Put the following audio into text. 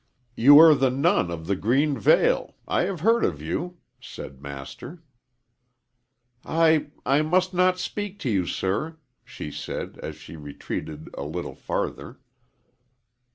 "You are the nun of the green veil. I have heard of you," said Master. "I I must not speak to you, sir," she said, as she retreated a little farther.